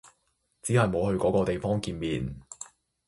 只係冇去嗰個地方見面